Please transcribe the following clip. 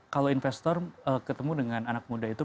kalau investor ketemu dengan anak muda itu